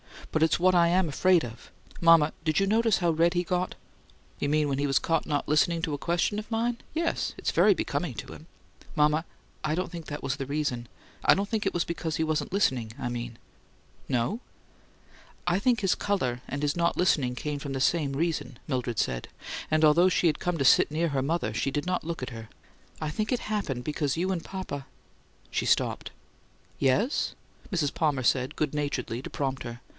"But it's what I am afraid of! Mama, did you notice how red he got?" "You mean when he was caught not listening to a question of mine? Yes; it's very becoming to him." "Mama, I don't think that was the reason. I don't think it was because he wasn't listening, I mean." "No?" "I think his colour and his not listening came from the same reason," Mildred said, and although she had come to sit near her mother, she did not look at her. "I think it happened because you and papa " She stopped. "Yes?" Mrs. Palmer said, good naturedly, to prompt her.